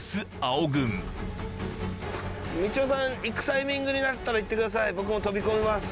青軍みちおさん行くタイミングになったら言ってください。